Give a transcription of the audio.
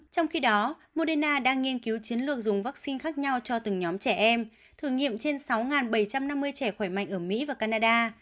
trong khi đó moderna đang nghiên cứu chiến lược dùng vaccine khác nhau cho từng nhóm trẻ em thử nghiệm trên sáu bảy trăm năm mươi trẻ khỏe mạnh ở mỹ và canada